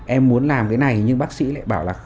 em muốn làm cái này nhưng bác sĩ lại bảo là